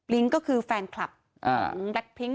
ลิ้งก็คือแฟนคลับแบล็กพลิ้งก์